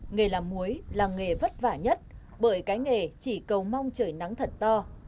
nghề làm muối là nghề vất vả nhất bởi cái nghề chỉ cầu mong trời nắng thật to